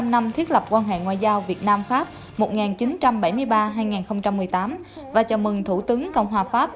bảy mươi năm năm thiết lập quan hệ ngoại giao việt nam pháp một nghìn chín trăm bảy mươi ba hai nghìn một mươi tám và chào mừng thủ tướng cộng hòa pháp